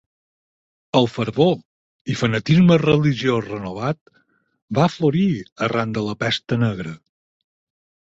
El fervor i fanatisme religiós renovat va florir arran de la Pesta Negra.